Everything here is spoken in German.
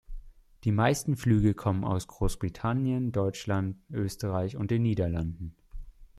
Die meisten Flüge kommen aus Großbritannien, Deutschland, Österreich und den Niederlanden.